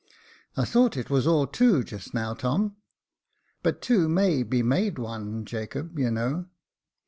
" I thought it was all tiuo just now, Tom." " But two may be made one, Jacob, you know."